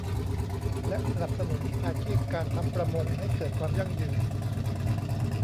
และสนับสนุนอาชีพการทำประมงให้เกิดความยั่งยืน